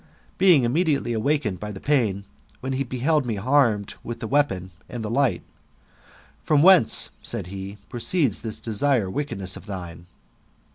Being immediately awakened by the pain, when he beheld me armed with the weapon and the light, ' From whence, said he, proceeds this dire wickedness of thine